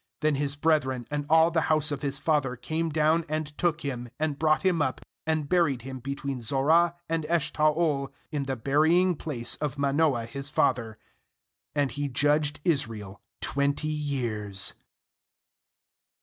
31Then his brethren and all the house of his father came down, and took him, and brought him up, and buried him between Zorah and Eshtaol in the burying place of Ma noah his father. And he judged Israel twenty years.